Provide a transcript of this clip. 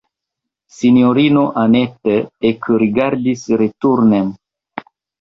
Sinjorino Anneto ekrigardis returnen.